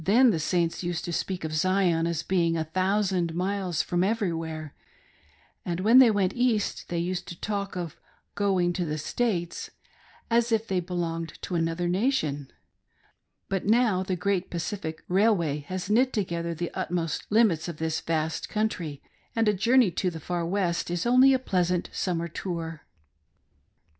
The Saints used then to speak of Zion as being " a thousand miles from every where ;" and when they went East they used to talk of " going to the States" as if they belonged to another nation: — but now the Great Pacific Railway has knit together the utmost limits of this vast country, and a journey to the Far West is only a pleasant summer tour. 1/2 HOW WE BEGAN OUR TRAVELS.